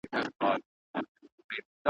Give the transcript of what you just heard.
وژني د زمان بادونه ژر شمعي `